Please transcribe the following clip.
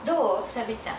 サビちゃん。